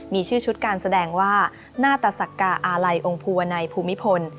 มีชื่อชุดการแสดงว่าหน้าตสักกาอาลัยองค์ภูวนัยภูมิพล